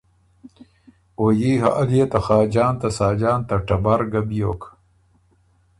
او يي حال يې ته خاجان ته ساجان ته ټبر ګۀ بیوک